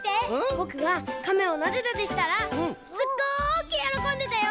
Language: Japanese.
ぼくがカメをなでなでしたらすっごくよろこんでたよ！